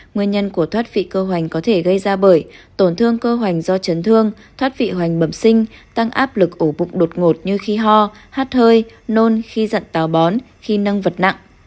nguyên nhân của thoát vị cơ hoành có thể gây ra bởi tổn thương cơ hoành do chấn thương thoát vị hoành bẩm sinh tăng áp lực ổ bụng đột ngột như khí ho hát hơi nôn khi dặn tàu bón khi nâng vật nặng